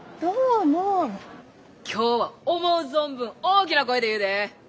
今日は思う存分大きな声で言うで。